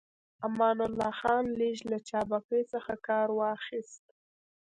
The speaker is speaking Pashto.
امان الله خان لږ له چابکۍ څخه کار واخيست.